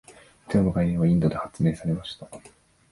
ゼロの概念はインドで発明されました。